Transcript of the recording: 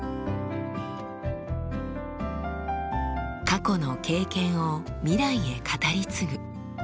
過去の経験を未来へ語り継ぐ。